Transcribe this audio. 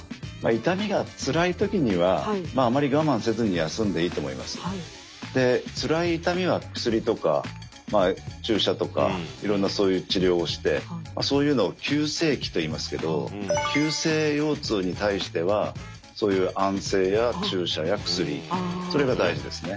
腰痛かったら横になったら楽なんですけどでつらい痛みは薬とか注射とかいろんなそういう治療をしてそういうのを急性期といいますけど急性腰痛に対してはそういう安静や注射や薬それが大事ですね。